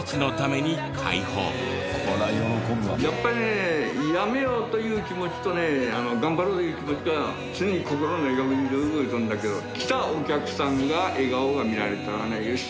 やっぱりね「やめよう」という気持ちとね「頑張ろう」という気持ちが常に心で揺れ動いとるんだけど来たお客さんの笑顔が見られたらねよし